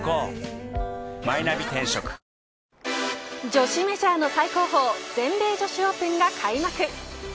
女子メジャーの最高峰全米女子オープンが開幕。